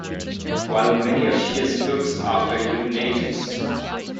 While many of Shea's books after Illuminatus!